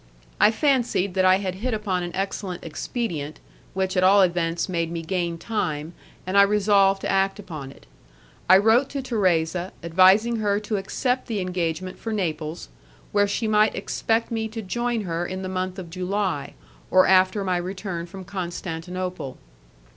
I fancied that I had hit upon an excellent expedient, which at all events made me gain time, and I resolved to act upon it. I wrote to Thérèse, advising her to accept the engagement for Naples, where she might expect me to join her in the month of July, or after my return from Constantinople.